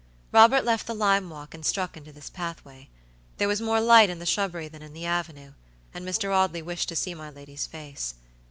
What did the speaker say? Robert left the lime walk, and struck into this pathway. There was more light in the shrubbery than in the avenue, and Mr. Audley wished to see my lady's face.